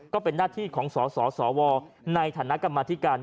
ก็เป็นหน้าที่ของสสวในฐานะกรรมธิการ